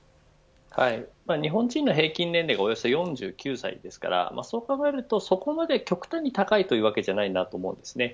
日本人の平均年齢がおよそ４９歳ですからそう考えるとそこまで極端に高いというわけではありません。